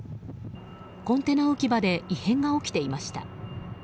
コンテナ置き場で異変が起きていました。